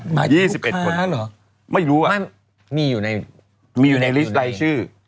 หมายถึงลูกค้าหรอไม่รู้อะมีอยู่ในรายชื่อ